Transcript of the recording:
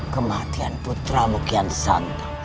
kematian putramu kian santah